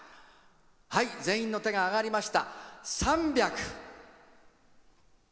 全員の手が上がりました。